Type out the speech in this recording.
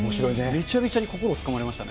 めちゃめちゃに心をつかまれましたね。